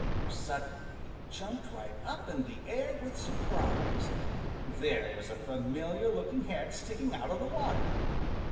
Suddenly he jumped right up in the air with surprise. There was a familiar looking head sticking out of the water.